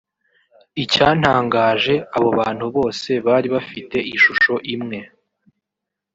Icyantangaje abo bantu bose bari bafite ishusho imwe